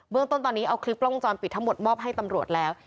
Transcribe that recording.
เรื่องต้นตอนนี้เอาคลิปกล้องวงจรปิดทั้งหมดมอบให้ตำรวจแล้ว